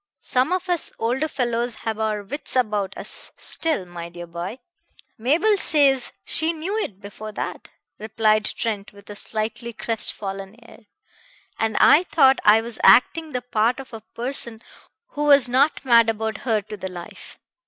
Some of us older fellows have our wits about us still, my dear boy." "Mabel says she knew it before that," replied Trent with a slightly crestfallen air. "And I thought I was acting the part of a person who was not mad about her to the life.